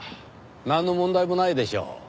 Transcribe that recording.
なんの問題もないでしょう。